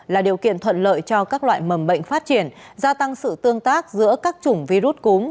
là điều kiện thuận lợi cho các loại mầm bệnh phát triển gia tăng sự tương tác giữa các chủng virus cúm